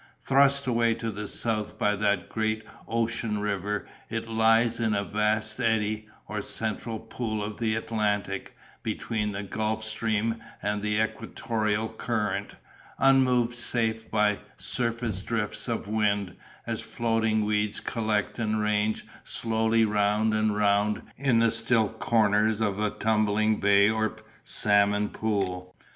Thrust away to the south by that great ocean river, it lies in a vast eddy, or central pool of the Atlantic, between the Gulf Stream and the equatorial current, unmoved save by surface drifts of wind, as floating weeds collect and range slowly round and round in the still corners of a tumbling bay or salmon pool.